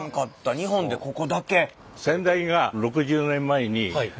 日本でここだけ？